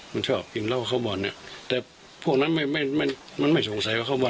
มันชอบกินเหล้าข้าวบ่อนเนี่ยแต่พวกนั้นไม่สงสัยว่าข้าวบ่อน